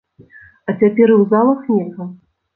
А цяпер і ў залах нельга!?